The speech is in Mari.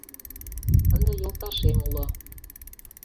Ынде йолташем уло.